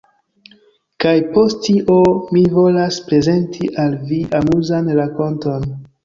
kaj post tio mi volas prezenti al vi amuzan rakonton.